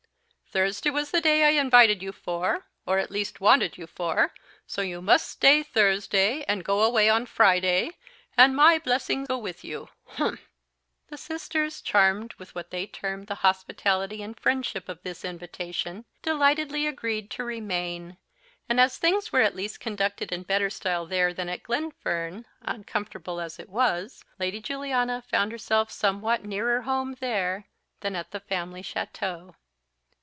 Thursday was the day I invited you for, or at least wanted you for, so you must stay Thursday, and go away on Friday, and my blessing go with you humph!" The sisters, charmed with what they termed the hospitality and friendship of this invitation, delightedly agreed to remain; and as things were at least conducted in better style there than at Glenfern, uncomfortable as it was, Lady Juliana found herself somewhat nearer home there than at the family chateau.